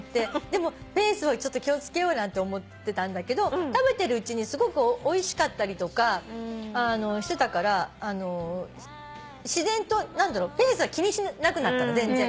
でもペースを気を付けようなんて思ってたんだけど食べてるうちにすごくおいしかったりとかしてたから自然とペースは気にしなくなったの全然。